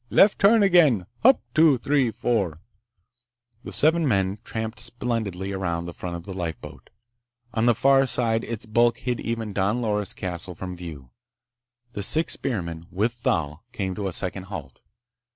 Left turn again, Hup, two, three, four—" The seven men tramped splendidly around the front of the lifeboat. On the far side, its bulk hid even Don Loris' castle from view. The six spearmen, with Thal, came to a second halt.